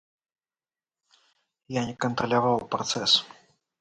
Я не кантраляваў працэс.